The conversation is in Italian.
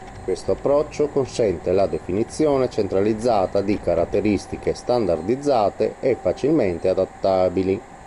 Questo approccio consente la definizione centralizzata di caratteristiche standardizzate e facilmente adattabili.